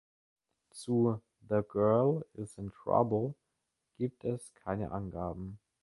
Zu "The Girl Is in Trouble" gibt es keine Angaben.